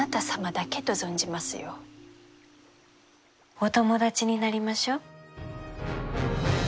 お友達になりましょう。